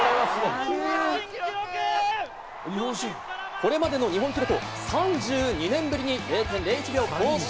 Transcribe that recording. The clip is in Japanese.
これまでの日本記録を３２年ぶりに０．０１秒更新！